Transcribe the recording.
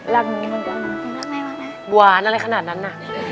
มันหวานขนาดนั้น